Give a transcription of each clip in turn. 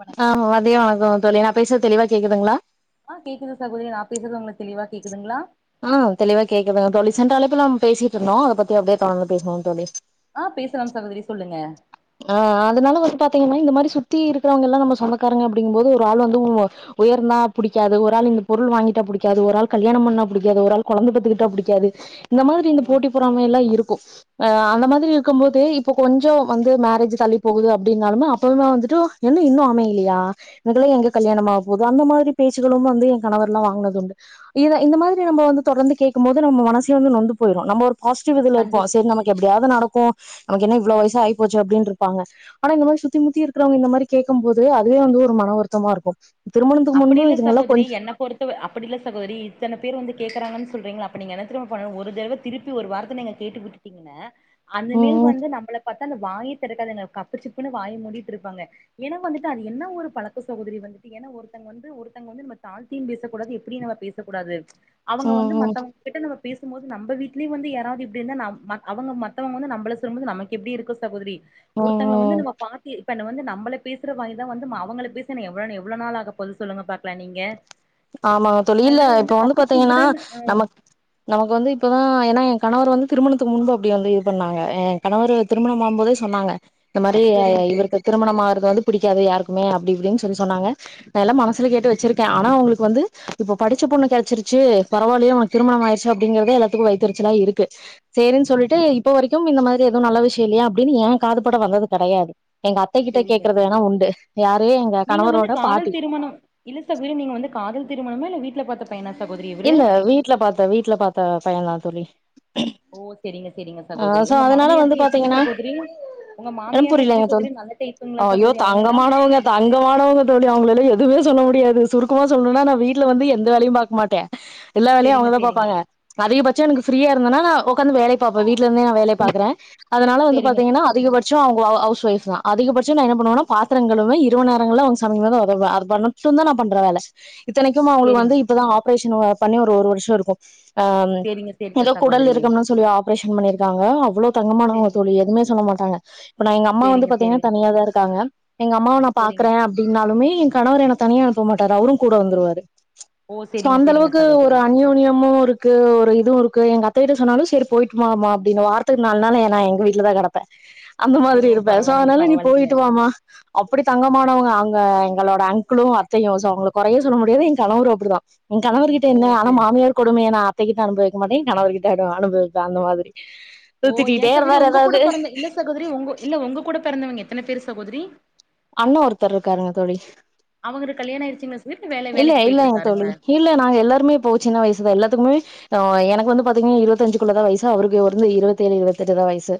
வணக்கம் ஆமா மதிய வணக்கம் தோழி நா பேசுறது தெளிவா கேக்குதுங்களா ஆ கேக்குது சகோதரி நா பேசுறது உங்களுக்கு தெளிவா கேக்குதுங்களா ஆஹ தெளிவா கேடக்குதுங்க தோழி சென்ற அழைப்புல பேசிட்டு இருந்தோ அத பத்தி அப்டியே தொடர்ந்து பேசுவோ தோழி ஆ் பேசலா சகோதரி சொல்லுங்க ஆ அதனால வந்து பாத்தீங்கன்னா இந்த மாரி சுத்தி இருக்கிறவங்க எல்லா நம்ம சொந்தக்காரங்க அப்டிங்கும் போது ஒரு ஆள் வந்து உ உயர்ந்தா புடிக்காது ஒரு ஆல் இந்த பொருள் வாங்கிட்டா புடிக்காது ஒரு ஆள் கல்யாண பண்ணா பிடிக்காது ஒரு ஆள் கொழந்த பெத்துக்கிட்டா புடிக்காது இந்த மாரி ஓ இந்த போட்டி பொறாமை எல்லா இருக்கும் அந்த மாரி இருக்கும் போது இப்போ கொஞ்சோ வந்து மேரேஜ் தள்ளி போகுது அப்டின்னாலுமே அப்பவுமே வந்துட்டு என்ன இன்னும் அமையலையா இதுக்கெல்லா எங்க கல்யாண ஆகபோது அந்த மாரி பேச்சுகளு வந்து என் கணவர்ெல்லா வாங்கனது உண்டு இது இந்த மாரி நம்ம வந்து தொடர்ந்து கேக்கும்போது நம்ம மனசுல வந்து நொந்து போயிடு நம்ம பாசிட்டிவ் இதுல இருப்போ கண்டிப் சரி நமக்கு எப்டியாவது நடக்கும் நமக்கு என்ன இவ்ளோ வயசா ஆய்ப்போச்சு அப்டின்னுறுப்பாங்க ஆனா இந்த மாரி சுத்தி முத்தி இருக்கிறவங்க இந்த மாரி கேட்க போது அதுவே வந்து ஒரு மன வருத்தமா இருக்கும் திருமணத்துக்கு அப்படி முன்பு இல்ல இதுங்கல்லா சகோதரி கொஞ் என்ன பொறுத்த அப்டி இல்ல சகோதரி இத்தன பேர் வந்து கேக்குறாகன்னு சொல்றீங்கள அப்ப நீங்க என்ன தெரிமா பண்ணனு ஒரு தடவ திருப்பி ஒரு வார்த்த நீங்க கேட்டுக்கட்டுட்டிர்ங்க அந்த மேல் ம் வந்து நம்மள பாத் வாய தெறக்காதுங்க கப்பு சிப்புன்னு வாயி மூடிட்டு இருப்பாங்க ஏன்னா வந்துட்டு அது என்ன ஒரு பழக்க சகோதரி வந்துட்டு ஏன்னா ஒருத்தங்க வந்து ஒருத்தங்க வந்து நம தாழ்த்தி பேசக்கூடாது எப்டி நம்ம பேசக்கூடாது ம் அவங்க வந்து ம் ம் மத்த கிட்ட நம்ம பேசும்போது நம்ம வீட்லய வந்து யாராவது இப்டி இருந்தா நம்ப அவங்க மத்தவங்க வந்து நம்பள சொல்லும் போது நமக்கு எப்டி இருக்கும் சகோதரி ம் ஒருத்தங்கள வந்து ம் நம்ம பாத்து இப்ப வந்து நம்மள பேசுற வாய்தா வந்து அவங்கள பேச எனக்கு எவள எவ்ள நாள் ஆக பொது சொல்லுங்க பாக்லா நீங்க ஆமாங்க தோழி இல்ல அதனால இப்ப வந்து கப்பு பாத்தீங்கன்னா சிம்புடுன்னு நம்ம நமக்கு வந்து இப்பதா ஏன்னா என் கணவர் வந்து திருமணத்துக்கு முன்பு அப்டி வந்து இது பண்ணாங்க கணவர் திருமண ஆகும் போது சொன்னாங்க இந்த மாரி செரிங்க செரிங்க இவருக்கு திருமண சகோதரி ஆறது வந்து புடிக்காது யாருக்குமே அப்டி இப்டினு சொல்லி சொன்னாங்க நா எல்லா மனசுல கேட்டு வச்சிருக்க ஆனா அவங்களுக்கு வந்து இப்ப படிச்ச பொண்ணு கெடச்சிருச்சு பரவால்லேயே அவனுக்கு திருமண ஆயிருச்சு அப்டிங்கறத எல்லாத்துக்கும் வைத்தெரிச்சலா இருக்கு சரின்னு சொல்ட்டு இப்ப வரைக்கும் இந்த மாரி எதுவும் நல்ல விஷய இல்லயா அப்டின்னு எய காதுப்பட வந்தது கெடையாது எங்க அத்தகிட்ட செரிங்க கேக்குறது செரி வேணா உண்டு யாரையு எங்க நீங்க வந்து கணவரோட காதல் பாட்டி திருமணம் இல்ல சகோதரி நீங்க வந்து காதல் திருமணமா இல்ல வீட்ல பாத்த பையனா சகோதரி இவரு இல்ல வீட்ல பாத்த வீட்ல பாத்த பையன்தா தோழி ஒகே சரிங்க சரிங்க ஆ சகோதரி சோ உங்க அதனால வந்து மாமியார்ல எப்டி பாத்தீங்கன்னா சகோதரி உங்க என மாமியார்லா எப்டி புரியலங்க தோழி சகோதரி நல்ல டைபுங்களா ஐயோ சகோதரி அவங்களா தங்கமானவங்க தங்கமானவங்க தோழி அவங்களலா எதுமே சொல்ல முடியாது சுருக்கமா சொல்ணும்னா நா வீட்ல வந்து எந்த வேலையு பாக்க மாட்ட எல்லா வேலையும் செரிங்க அவங்கதா செரிங்க பாப்பாங்க அதிகபட்ச எனக்கு ப்ரீயா இருந்தானா நா ஒக்கார்ந்து வேலை இப்ப வீட்ல இருந்தே நா வேலைய பாக்ற அதனால வந்து செரிங்க பாத்தீங்கன்னா அதிகபட்ச அவங்க ஹவுஸ் ஒய்ஃப் தா அதிகபச்ச நா என்ன பண்ணுவன்னா பாத்ர கழுவ இரவு நேரங்கள அவங்க சமைக்கும் போது உதவுவ தா நா பண்ற வேலை இத்தனைக்கு அவங்களுக்கு செரிங்க வந்து இப்பதா ஆபரேஷன் பண்ணி ஒரு ஒரு வருஷ இருக்கும் ஆ செரிங்க செரிங்க ஏதோ குடல் சகோதரி இருக்கம்னு சொல்லி ஆப்ரேஷன் பண்ணிருக்காங்க அவ்ளோ தங்கமானவங்க செரிங்க தோழி எதுவுமே சொல்ல மாட்டாங்க இப்ப நா எங்க அம்மா வந்து செரிங்க பாத்தீங்கன்னா செரிங்க தனிய தா இருக்காங்க எங்க அம்மாவ நா செரிங்க பாக்ற னாலுமே எய கணவர் என்ன தனியா அனுப்ப மாட்டாரு அவரு கூட வந்துருவாரு ஓ சோ செரிங்க செரிங்க அந்தளவுக்கு ஒரு சகோதரி அந்யோன்யமு இருக்கு ஒரு இதுவு இருக்கு எங்க அத்தகிட்ட சொன்னாலு செரிப் போய்ட்டு மாமா அப்டினு வாரத்துக்கு நால் நாள் எ நா எங்கவீட்லதா கெடப்பே அந்த ஓ மாதிரி இருப்பே பரவால்லைங்க எசவானாலு நீ பரவால்லைங்க போயிட்டுவாமா அப்டி தங்கமானவங்க அங்க எங்களோட அங்க்குளு அத்தையு சோ அவுங்ள கொறையே சொல்ல முடியாது எங் கணவரு அப்டுதா எங் கணவருகிட்ட ஓ என்ன ஆனா செரி மாமியார் கொடுமைய நா அத்தைகிட்ட அனுபவிக்க மாட்டே கணவருகிட்ட அடு அனுபவிக் த அந்த மாதிரி உ திட்டிகிட்டே இருந்தாரு எதாவ்து சகோதிரி ஒங்கோ இல்ல ஒங்க கூடப் பெறந்தவங்க எத்தன பேரு சகோதிரி அண்ணே ஒருத்தர்ருக்காருங்க தோழி அவங்கரு கல்யாணோ ஆயிருச்சுங்ளா சவிப் வேல இல்ல வேலைக்குப் இல்லங்க தோழி போய்ட்ருக்காருங்ளா இல்ல நாங்க எல்லாருமே இப்போ சின்ன வயசுதா எல்லாத்துக்குமே ஓ எனக்கு வந்து பாத்தீங்க இருவத்தஞ்சுகுள்ளதா வயிசு அவருக்கு ஒருந்து இருவத்தேழு இருவத்தெட்டுதா வயிசு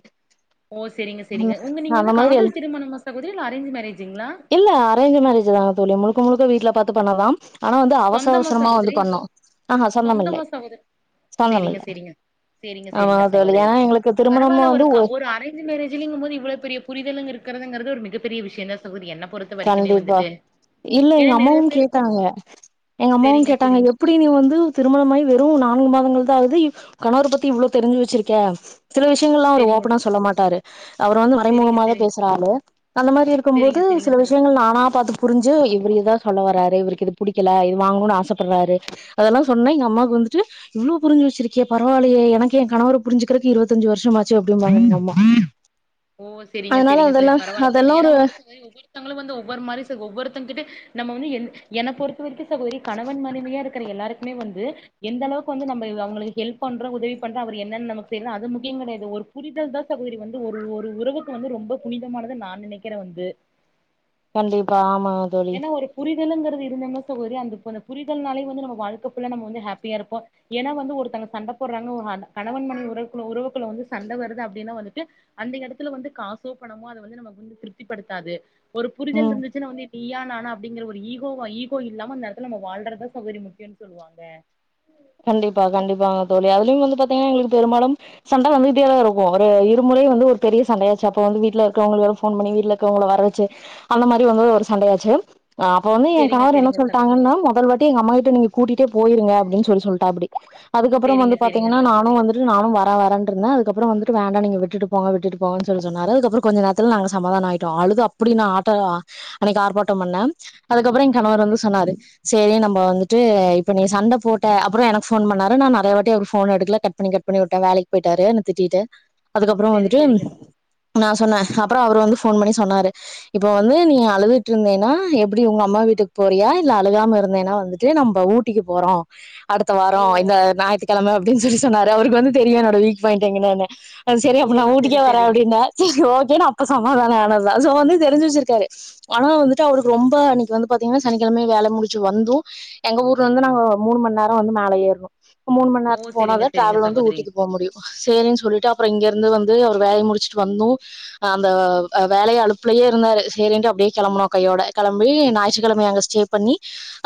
ஓ செரிங்க செரிங்க ஒங்க நீங்க வந்து மாதிரி எல் காதல் திருமணமா சகோதிரி இல்ல அரேஞ்ச்சு மேரேஜுங்ளா இல்ல அரேஞ்சி மேரேஜிதாப் தோழி முழுக்க முழுக்க வீட்ல பாத்து பண்ணதாம் ஆனா வந்து அவசர சொந்தமா அவசரமா வந்து சகோதரி பண்ணோ ஆ ஆ சொந்தம் இல்லை சொந்தமா சகோதரி செரிங்க சொந்தமில்ல செரிங்க செரிங்க ஆமா செரிங்க தோழி சகோதரி எனா எங்களுக்கு திருமணம் வந்து ஒ ஞ்ச்சு மேரேஜூலிங்கிம்மோது இவ்ளோப் பெரிய புரிதலுங் இருக்கறதுங்கிறது ஒரு மிகப்பரிய விஷ்யந்தா சகோதரி என்னப் பொருத் கண்டிப்பா இல்ல எங்க நெறைய அம்மாவும் பேர் கேட்டாங்க சொல்லுவா எங்க அம்மாவுங் செரிங்க கேட்டாங்க செரிங்க எப் ப்டி நீ வந்து திருமணமாயி வெறு நான்கு மாதங்கள்தா ஆவுது இவ் கணவரப் பத்தி இவ்ளோ தெரிஞ்சு வெச்சிருக்க சில விஷியங்கள்லா அவரு செரிங்க ஓப்பனா சொல்ல மாட்டாரு அவரு வந்து செரிங்க மறைமுகமாதாப் செரிங்க பேசற ஆளு அந்த மாரி செரிங்க இருக்கம்போதுச் செரிங்க சகோதரி கள் நானாப் பாத்து புரிஞ்சு இவ்வுரு எதா சொல்ல வராரு இவுருக்கு இதுப் புடிக்கல இது வாங்கணுனு ஆசப்பர்றாரு அதெல்லா சொன்னா எங்க அம்மாவுகு வந்துட்டு இவ்ளோ புரிஞ்சு வெச்சிருக்கியேப் பரவாலையே எனக்கு எங் கணவரப் புரிஞ்சிக்கறக்கு இருவத்தஞ்சி வருஷம் ஆச்சு அப்டிம்பாங்க எங்க அம்மா ஓ செரிங்க அதனால செரிங்க சே அதெல்லா பரவால அதெல்லா [inaudible] எனா ஒரு வந்து சகோதரி ஒவ்வொரு தங்களு வந்து ஒவ்வொரு மாரி சகோ ஒவ்வொருத்தங்கிட்டே நம்ம வந்து எந் எனப் பொறுத்த வரைக்கு சகோதிரி கணவன் மனைவியா இருக்கிற எல்லாருக் ப்மே வந்து எந்தளவுக்கு வந்து நம்ப இவ் அவுங்கள ஹெல்ப் பண்றோ உதவிப் பண்றோ அவரு என்னென் நமக்கு செய்றது அது முக்கியங் கெடையாது ஒரு புரிதல்தா சகோதரி வந்து ஒரு ஒரு உறவுக்கு வந்து ரொம்ப புனிதமானது நா நெனைக்கிறே வந்து கண்டிப்பா ஆமா தோழி ஏன்னா ஒரு புரிதலுங்கிறது இருந்தம்னா சகோதிரி அந்தப்ப அந்தப் புரிதல்னாலே வந்து நம்ம வாழ்க்க ஃபுல்லா நம்ம வந்து ஹாப்பியா இருப்போ ஏனா வந்து ஒருத்தங்க சண்டப் போர்றாங்க ஒ ஹன் கணவன் மனைவி உறவுக்குள்ள உறவுக்குள்ள வந்து சண்ட வருது அப்டினா வந்துட்டு அந்த எடத்துல வந்து காசோப் பணமோ அத வந்து நமக்கு வந்து திருப்திப்படுத்தாது ஒருப் புரிதல் ம் இருந்துச்சுனா வந்து இப் நீயா நானா அப்டிங்கிற ஒரு ஈகோவா ஈகோ இல்லாம அந்த எடத்துல நம்ம வாழ்றதா சகோதரி முக்கியோன் சொல்லுவாங்க கண்டிப்பா கண்டிப்பாங்க தோழி அதுலியும் வந்து பாத்தீங்கனா எங்ளுக்கு பெருபாலும் சண்ட வந்துகிட்டேதா இருகு ஒரு இவ் இதுமுறை ஓ வந்து ஒரு பெரியச் சண்டையாச்சு அப்ப வந்து வீட்ல இருக்கறவங்ளுகு யாரோ ஃபோன் பண்ணி வீட்டுலக்கவுங்ள வர வெச்சு அந்த மாரி வந்து ஒரு சண்டையாச்சு ஆ அப்ப வந்து எ செரிங்க கணவர் என்ன செரிங்க சகோதரி சொல்ட்டாங்கன்னா மொதல் வாட்டி எங்க அம்மாகிட்ட நீங்க கூட்டிட்டேப் போயிருங்க அப்டின் சொல்லிச் சொல்ட்டாப்டி அதுக்கப்பறம் வந்து செரிங்க செரிங்க பாத்தீங்னா நானு சகோதரி வந்துட் ரு நானு வர வரேன்ட்ருந்தே அதுக்கப்புறோ வந்துட்டு வேண்டா நீங்க விட்டுட்டு போங்க விட்டுட்டு போங்கன் சொல்லி சொன்னாரு அதுப்க்கப்புறோ கொஞ்ச நேர்த் த்தல் நாங்க சமாதானோ ஆயிட்டோ அழுது அப்டி நா ஆட்ட ஆ அன்னைக்கு ஆர்ப்பாட்டம் பண்ணே அதுக்கப்புறோ எங் ஓ கணவர் வந்து சொன்னாரு சேரி நம்போ வந்துட்டு இப்ப நீ சண்ட போட் ட்ட அப்புறோ எனக் ஃபோன் பண்ணாரு நா நெறைய வாட்டி அவுரு ஃபோன எடுக்ல கட் பண்ணி கட் பண்ணி வுட்டே வேலைக் போயிட்டாரு என்ன திட்டிட்டு அதுக்கப்புறோ செரி வந்துட்டு செரிங்க நா சொன்னே அப்பறோ அவுரு வந்து ஃபோன் பண்ணி சொன்னாரு இப்ப வந்து நீ அழுதுட்ருந்தேனா எப்டி உங்க அம்மா வீட்டுக் போறியா இல்ல அலுகாம இருந்தேனா வந்துட்டு நம்ப ஊட் ட்டிக்க போறோம் அடுத்த ஓ வாரம் இந்த ஞாயித்துக்கெழம அப்டின்னு சொல்லி சொன்னாரு அவருக்கு வந்து தெரியும் என்னோட வீக் பாயிண்ட் என்னன்னு அது சரி ஓ அப்ப நா செரி ஊட்டிக்கே வரே செரி அப்டின்ன செரி ஓகே நா அப்ப சமாதானம் ஆனதுதா சோ வந்து தெரிஞ்சு வச்சுருக்காரு ஆனா வந்துட்டு அவருக்கு ரொம்ப அன்னிக்கு வந்து பாத்தீங்கன்னா சனிக்கிழம வேல முடிச்சு வந்தும் எங்க ஊர்ல வந்து நாங்க மூணு மண் நேரம் வந்து மேல ஏற்னோ மூணு மண் ஓ நேரம் போனாதா செரிங்க செரிங்க டிரவல் வந்து சகோதரி ஊட்டி போ முடியும் செரின்னு சொல்ட்டு அப்றம் இங்கருந்து வந்து அவர் வேலய முடிச்சுட்டு வந்தோம் அந்த வேலைய அழுப்புலயே இருந்தாரு செரின்ட்டு அப்டியே கெளம்பனும் கையோட கௌம்பி ஞாயித்துக்கழம அங்க ஸ்டே பண்ணி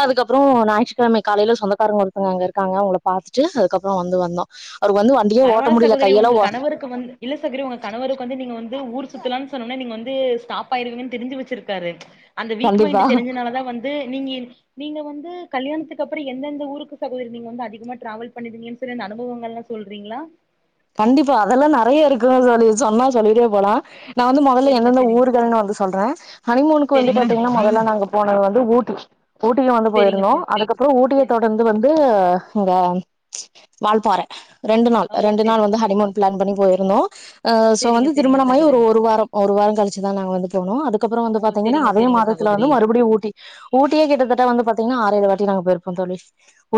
அதுக்கப்றம் ஞாயிற்றுக்கழமை காலைல சொந்தக்காரங்க ஒருத்தங்க அங்க இருக்காங்க அவுங்கள பாத்துட்டு அதுக்கப்றம் வந்து வந்தோம் அவரு வந்து வண்டியே ஓட்ட முடில கையெல்லாம் வா க்கு வந்து இல்ல சகோதரி உங்க கணவருக்கு வந்து நீங்க வந்து ஊர் சுத்துலா சொன்னவுன்னே நீங்க வந்து ஸ்டாஃப் ஆயிடுவனு தெரிஞ்சு வச்சு காரு அந்த வீக் கண்டிப்பா பாயிண்ட்டு தெரிஞ்சனாலதா வந்து நீங்க நீங்க வந்து கல்யாணத்துக்கு அப்றம் எந்தெந்த ஊருக்கு சகோதரி வந்து அதிகமா டிராாவல் பண்ணுவீங்க சொல் அனுபவங்கள்லாம் சொல் றீங்ளா கண்டிப்பா அதல்லாம் நறைய இருக்குன்னு சொல்லி சொன்னா சொல்லிட்டே போலாம் நான் வந்து மொதல்ல செரிங்க எந்தெந்த செரிங்க ஊர்கள்ன்னு வந்து சொல்றேன் ஹனிமோனுக்கு வந்து செரிங்க செரிங்க பாத்திங்கன்னா மொதல்ல நாங்க போனது வந்து ஊட்டி ஊட்டியும் வந்து செரிங்க போயிருந்தோம் செரி அதுக்கப்றம் ஊட்டிய செரி தொடந்து வந்து இங்க வால்பாற ரெண்டு நாள் ஓ ரெண்டு செரி இந்த ஹனிமூன் ப்ளான் பண்ணி போயிருந்தோ சோ செரிங்க வந்து செரிங்க திருமணமாயி சகோதரி ஒரு வாரம் ஒரு வாரம் கழிச்சுதா நாங்க வந்து போனோம் அதுக்கப்றம் வந்து ஓ பாத்தீங்கனா செரிங்க அதே செரிங்க மாதத் வந்து சகோதரி மறுபடி ஊட்டி ஊட்டியே கிட்டத்தட்ட வந்து பாத்தீங்கன்னா ஆறேழு வாட்டி நாங்க போயிருப்போம் தோழி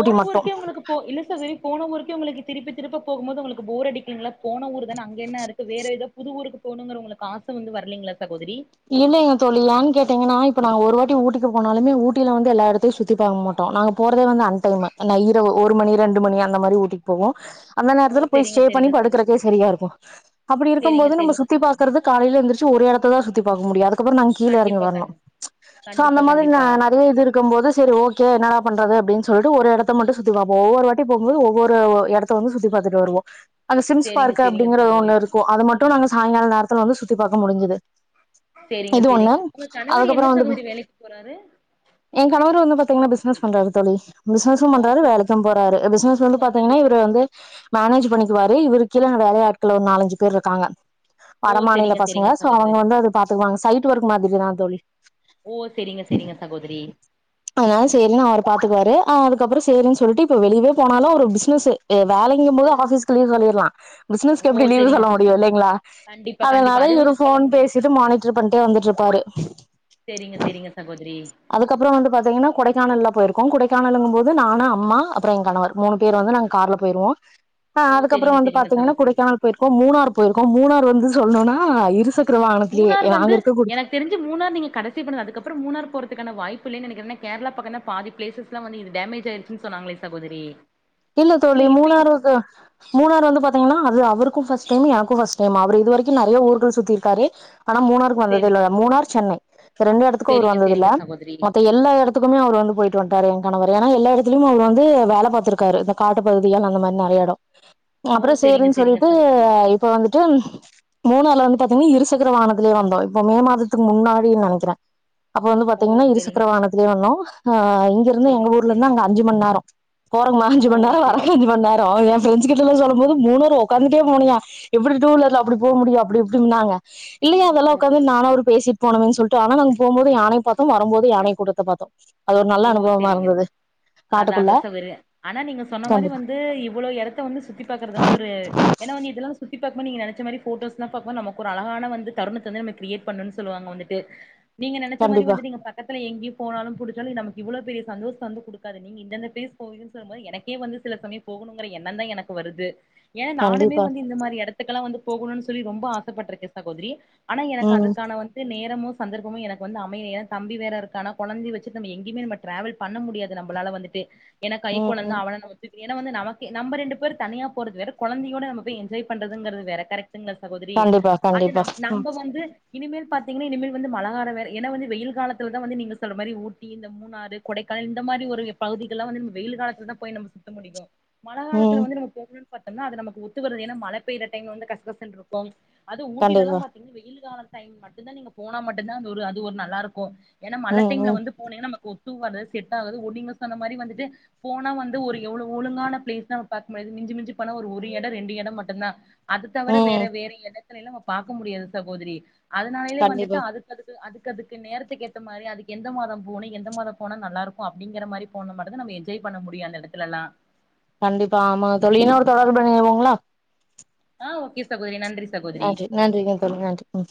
ஊட்டி மட்டு ஊருக்கே உங்களுக்கு போ இல்ல சகோதரி போன ஊருக்கே உங்களுக்கு திருப்பி திருப்ப போகும் போது உங்களுக்கு போர் அடிக்குல்ல போன ஊருக்கு இது அங்கென்ன இருக்கு வேற ஏதோ புது ஊருக்கு போணுங்ற உங்களுக்கு ஆச வந்து வரலீங்களா சகோதரி இல்லல்லங்க தோழி ஏன்னு கேட்டீங்கன்னா இப்ப நாங்க ஒரு வாட்டி ஊட்டிக்கு போனாலுமே ஊட்டில வந்து எல்லாடத்து சுத்தி பாக்க மாட்டோம் நாங்க போறதே வந்து அன் டைமு நா இரவு ஒரு மணி ரெண்டு மணி அந்த மாரி ஊட்டிக்கு போவோம் அந்த ஓ நேரத்துல போய் செரிங்க ஸ்டே பண்ணி செரிங்க படுக்கறக்கே சகோதரி சரியா இருக்கும் அப்டி இருக்கும் செரிங்க போது நம்ம செரிங்க சுத்தி சகோதரி பாக்கறது காலில எந்ருச்சு ஒரு எடத்த தா சுத்தி பாக்க முடியு அ அப்றம் நா கீழ எறங்கி கண்டிப்பா வரணும் கண்டி அந்த கண்டிப்பா மாரி கண்டிப்பா நெறய இது போது சரி ஓ கே என்ன பண்றது அப்டின் சொல்ட்டு ஒரு எடத்த மட்டும் சுத்தி பாப்போம் ஒவ்வொரு வாட்டி போகும்போது ஒவ்வொரு எடத்த வந்து சுத்தி பாத்துட்டு வருவோ அந்க சிம்ஸ் செரிங்க பார்க்கு செரிங்க அப்டிங்கற சகோதரி ஒன்னு ஒ அது மட்டும் நாங்க சாய்ங்கால நேரத்துல வந்து சுத்தி பாக்க முடிஞ்சுது சரிங்க இது சரி ஒண்ணு உங்க கணவர் என்ன சகோதரி வேலைக்கு போறாரு என் கணவர் வந்து பாத்தீங்கன்னா பிசினஸ் பண்றாருத் தோழி பிஸுனஸும் ஓ பண்றாரு சு வேலைக்கும் போறாரு பிஸினஸ் வந்து சொந்த பாத்தீங்கன்னா பிஸ் இவர் வந்து மேனேஜ் பண்ணிக்குவாரு இவரு கீழ வேலையாட்கள் ஒரு நாலஞ்சு பேர் இருக்காங்க ஓ வட மாநில செரிங்க பசங்க செரிங்க சோ அவங்க சகோதரி வந்து அது பாத்துக்குவாங்க சைட் ஒர்க் மாதிரிதான் தோழி ஓ செரிங்க செரிங்க சகோதரி அதனால சரின்னு அவரு பாத்துக்குவாரு அதுக்கப்றம் சரின்னு சொல்லிட்டு இப்ப வெளியவே போனாலும் அவரு பிசினஸு வேலைங்கும் போது ஆபீஸ்கு லீவ் சொல்லிட்லாம் பிஸ்னஸ்கு ஓ எப்டி லீவு் செரிங்க சொல்ல முடியும் இல்லங்ளா கண்டிப்பா கண்டிப்பா அதனால அது இவர் வந்து சொல்ல போன் முடியாது பேச சகோதரி மானிட்டர் பண்ணிட்டே வந்துட்டு இருப்பாரு செரிங்க செரிங்க சகோதரி அதுக்கப்றம் வந்து பாத்தீங்கன்னா கொடைக்கானல்ல போயிருக்கோம் கொடைக்கானலுங்கும் போது நானு அம்மா அப்றம் என் கணவர் மூணு பேர் வந்து நாங்க கார்ல போயிருவோஅ ஓ அதுக்கப்றம் செரிங்க வந்து செரிங்க பாத்தீங்கன்னா சகோதரி கொடைக்கானல் போயிர்க்கோம் மூணார் போயிர்க்கோம் மூணாார் வந்து சொல்ணும்னா இருசக்கர வாகனத்துலயே மூணார் நாங்க வந்து இருக்க குடு எனக்கு தெரிஞ்சு மூணார் நீங் கடைசி போனது அதுக்கப்புற மூணார் போறதுகான வாய்ப்பில்லைனு நெனைக்றே கேரளா பக்கதா பாதி ப்ளேசஸ் எக்சுவாலா வந்து இது டேமேஜ் ஆயிருச்சு சொன்னாங்களே சகோதரி இல்ல தோழி மூணாறது மூணார் வந்து பாத்தீங்கன்னா அது அவருக்கு ஃபர்ஸ்ட் டைம் எனக்கு ஃபர்ஸ்ட் டைம் அவர் இது வரைக்கு நெறய ஊர்கள் சுத்திருக்காரு ஆனா மூணாருக்கு வந்தது சேரி இல்ல மூணார் சென்னை ரெண்டு எடத்துக்கு அவர் சேரிங்க வந்ததுல்ல சேரிங்க சகோதரி மத்த எல்லா எடத் துக்குமே அவர் வந்து போய்ட்டு வன்டார் என் கணவர் ஏனா எல்லா எடத்திலுமே அவர் வந்து வேல பாத்திர காரு இந்த காட்டு பகுதிய அந்த மாரி நெறைய எடோ ஓ அப்புற சேரிங்க சேறுனு சேரிங்க சொல்ட்டு சகோதரி இப்ப வந்துட்டு மூணாருல வந்து பாத்தீங்கன்னா இருசக்கர வாகனத்துலே வந்தோ இப்போ மே மாதத்துக்கு முன்னாடினு நெனக்கிறே அப்ப வந்து ஓ பாத்தீங்கன்னா இரு சேரிங்க சசக்கர வாகனத்துலே வந்தோ அ இங்க இருந்து எங்க சேரிங்க ஊர்ல இருந்து சேரிங்க அங்க அஞ்சு மணி நேரோ ர அஞ்சு ஓ மணி நேரோ வர்ற சேரி அஞ்சு மணி நேரோ எ ஃப்ரெண்ட்ஸ்கிட்ட எல்லா சொல்லும் போது மூணாரு உக்காந்துட்டே போனாயா எப்டி டூவீலர்ல அப்டி போக முடியு அப்டி இப்டின்னாங்க இல்லையே அதெல்லா ஒக்காந்து ஓகே நானு அவரு பேசி போனமேன்னு சொல்ட்டு ஆனா நாங்க போம்போது யானை பாத்தோ வரும்போது யானை கூட்டத்த பாத்தோ அது ஒரு நல்ல ஓ அனுபவமா சேரிங்க இருந்துது அதா காட்டுகுள்ள அதா சகோதரி ஆனா நீங்க சொன்ன மாரி வந்து இவ்ளோ எடத்த வந்து சுத்தி பாக்குறது வந்து ஒரு ஏன்ன வந்து இதெல்லா சுத்தி பாக்குபோது நீங்க நெனச்ச மாரி போட்டோஸ்ல்லா பாக்கு போது நமக்கு ஒரு அழகான வந்து தருணத்த வந்து நம்ம கிரேட் பண்ணன்னனு சொல்லுவாங்க வந்துட்டு நீங்க நெனைச்ச மாரி கண்டிப்பா வந்துட்டு நீங்க பக்கத்துல எங்கியு போனாலு புடு சாலு நமக்கு இவ்ளோ பெரிய சந்தோஷோ வந்து குடுக்காத நீங்க இந்தந்த பிளேஸ் போவீங்கன்னு சொல்லுபோது எனக்கே வந்து சில சமயோ போகணுங்கற எண்ண தா எனக்கு வருது ஏன்னா நானுமே கண்டிப்பா வந்து இந்த மாரி எடத்துக்கெல்லா வந்து போகணும்ன்னனு சொல்லி ரொம்ப ஆசைப்படிடுருக்கே சகோதரி ஆனா எனக்கு ம் அதுக்கான வந்து நேரமோ சந்தர்ப்பமு எனக்கு வந்து அமைய ஏ தம்பி வேற இருக்கான கொழந்தை வச் ச்சுட்டு நம்ம எங்கயுமே நம்ம டிரவல் பண்ண முடியாது நம்மளால வந்துட்டு ஏன்னா ம் ம் கைக்குழந்தா அவன நம்ம த்து ஏன்னா வந்து நமக்கு நம்ம ரெண்டு பேரு தனியா போறது வேற கொழந்தையோட நம்ம போய் என்ஜாய் பண்றதுங்கிறது வேற கரெக் ங்க சகோதரி கண்டிப்பா அது கண்டிப்பா நம் ம் நம்ம வந்து இனிமேல் பாத்தீங்கன்னா இனிமேல் வந்து மழ கால வேற ஏன்னா வந்து வெயில் காலத்துலா வந்து நீங்க சொல்றமாரி ஊ ட்டி இந்த மூணாறு கொடைக்கானல் இந்த மாரி ஒரு பகுதிகள் எல்லா வந்து வெயில் காலத்துல தா போய் நம்ம சுத்த முடியு மழ காலத்துல ம் வந்து நம்ம போகணுனு பாத்தம்னா அது நமக்கு ஒத்து வருறது ஏன்ன மழ பெயற டைம் வந்து கசகசன்னு இருக் [unintelligible] அது ஊட்டில்லா கண்டிப்பா ப [unintelligible] வெயில் கால டைம் மட்டுதா நீங்க போனா மட்டுதா அது ஒரு அது ஒரு நல்லா இருக்கு ஏன்னா மழ ம் டைம்ல ம் வந்து போனீன்னா நமக்கு ஒத்து வறது செட் ஆகாது ஓ நீங்க சொன்ன மாரி வந்துட்டு போனா வந்து ஒரு எவ்வளவு ஒழுங்கான பிளேஸ் நம்ம பாக் முடியாது மிஞ்சி மிஞ்சிப் போன ஒரு எடோ ரெண்டு எடோ மட்டுதா அது தவிர வேற ம் வேற எடத்தைல்லா நம்ம பார்க்க முடியாது சகோதரி அதனாலயே வந்துட்டு கண்டிப்பா அதுக்கு அதுக்கு அதுக்கு அதுக்கு நேரத்துக்கு ஏத்த மாதிரி அதுக்கு எந்த மாதம் போனு எந்த மாதம் போனா நல்லா இருக்கூ அப்படிங்கிற மாதிரி போனமட்டூ தா நம்ம என்ஜாய் பண்ண முடியூ அந்த எடத்துலல்லா கண்டிப்பா ஆமாங் தோழி இன்னெரு தொடர்புள நீங்க வரூ வீங்களா ஆ ஓகே சகோதரி நன்றி சகோதரி நன்றி நன்றிங்க தோழி நன்றி ம்